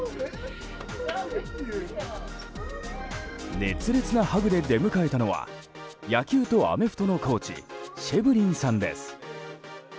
熱烈なハグで出迎えたのは野球とアメフトのコーチシェブリンさんです。